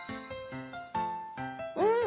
うん！